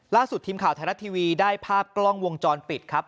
ล่าสุดทีมข่าวไทยรัฐทีวีได้ภาพกล้องวงจรปิดครับ